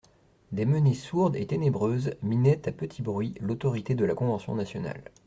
Des menées sourdes et ténébreuses minaient à petit bruit l'autorité de la Convention nationale.